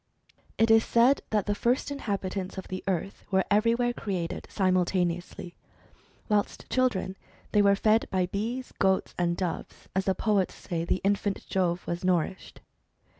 It is said that the first inhabitants of the earth were everywhere created simultaneously. Whilst children they were fed by bees, goats, and doves, as the poets say the infant Jove was nourished.